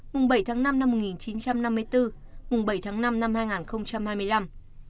mùng bảy tháng năm năm một nghìn chín trăm năm mươi bốn mùng bảy tháng năm năm hai nghìn hai mươi năm